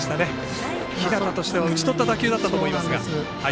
日當としては打ち取った打球だったと思いますが。